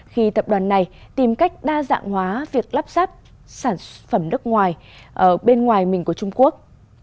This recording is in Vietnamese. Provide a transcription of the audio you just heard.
khi tập đoàn này tìm cách đa dạng hóa việc lắp ráp sản phẩm nước ngoài bên ngoài mình của trung quốc